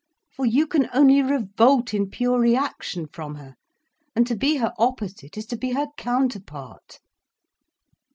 For you can only revolt in pure reaction from her—and to be her opposite is to be her counterpart."